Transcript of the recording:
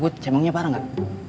muka gua cemangnya parah gak